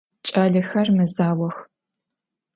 Ç'alexer mezaox.